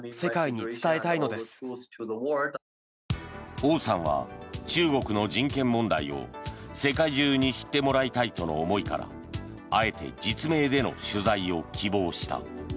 オウさんは中国の人権問題を世界中に知ってもらいたいとの思いからあえて実名での取材を希望した。